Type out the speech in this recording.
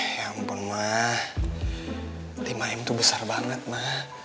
ya ampun ma lima m tuh besar banget ma